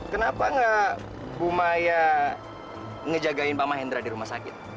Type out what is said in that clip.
kenapa nggak bu maya ngejagain pak mahendra di rumah sakit